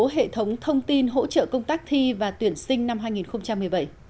hệ thống thông tin hỗ trợ công tác thi và tuyển sinh năm hai nghìn một mươi bảy